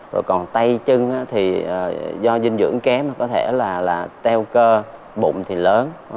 rồi còn tay chân thì do dinh dưỡng kém mà có thể là teo cơ bụng thì lớn